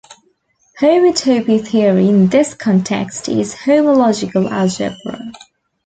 Homotopy theory in this context is homological algebra.